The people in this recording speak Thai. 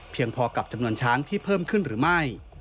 พอกับจำนวนช้างที่เพิ่มขึ้นหรือไม่